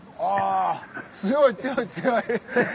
強い強い強い！